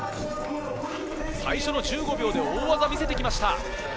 １５秒で大技を見せてきました。